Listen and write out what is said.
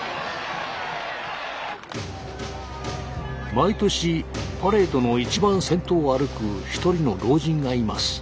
毎年パレードの一番先頭を歩く一人の老人がいます。